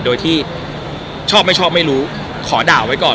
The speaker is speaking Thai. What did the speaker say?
โดยที่ชอบไม่ชอบไม่รู้ขอด่าไว้ก่อน